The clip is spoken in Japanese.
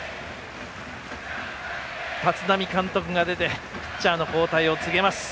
立浪監督が出てピッチャーの交代を告げます。